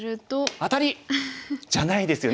「アタリ！」じゃないですよね